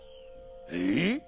えっ？